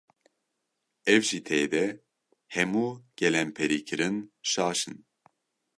Ev jî tê de hemû gelemperîkirin şaş in.